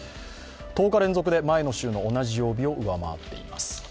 １０日連続で前の週の同じ曜日を上回っています。